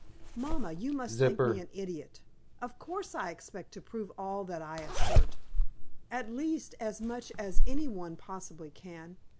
"Mamma you must think me an idiot. Of course, I expect to prove all that I assert at least, as much as any one possibly can.